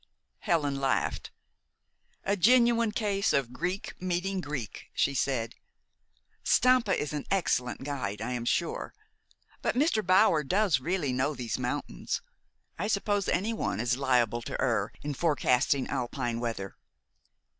Helen laughed. "A genuine case of Greek meeting Greek," she said. "Stampa is an excellent guide, I am sure; but Mr. Bower does really know these mountains. I suppose anyone is liable to err in forecasting Alpine weather."